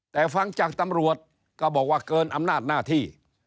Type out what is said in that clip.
แต่ฟังจากตำรวจก็บอกว่าเกินอำนาจหน้าที่